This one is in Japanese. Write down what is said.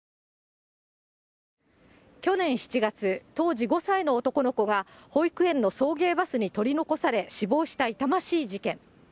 去年７月、当時５歳の男の子が、保育園の送迎バスに取り残され死亡した痛ましい事件。